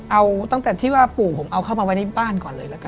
เอาตั้งแต่ที่ว่าปู่ผมเอาเข้ามาไว้ในบ้านก่อนเลยละกัน